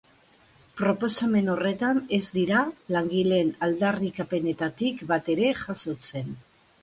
Proposamen horretan ez dira langileen aldarrikapenetatik bat ere jasotzen.